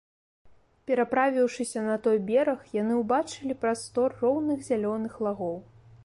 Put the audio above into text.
Пераправіўшыся на той бераг, яны ўбачылі прастор роўных зялёных лагоў.